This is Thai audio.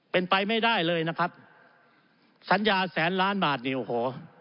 เป็นไปไม่ได้เลยนะครับสัญญาแสนล้านบาทนี่โอ้โห